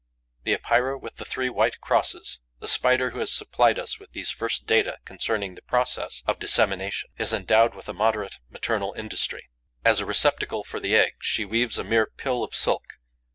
The Epeira with the three white crosses, the Spider who has supplied us with these first data concerning the process of dissemination, is endowed with a moderate maternal industry. As a receptacle for the eggs, she weaves a mere pill of silk.